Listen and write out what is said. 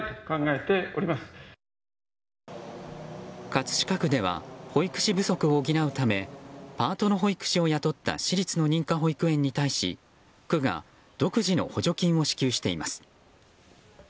葛飾区では保育士不足を補うためパートの保育士を雇った私立の認可保育園に対し区が独自の補助金を支給しています。